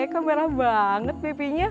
kamerah banget pepinya